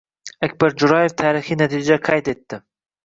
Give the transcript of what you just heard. Akbar Jo‘rayev tarixiy natija qayd etdi